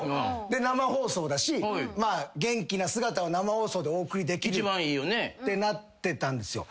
生放送だし元気な姿を生放送でお送りできるってなってたんですよ。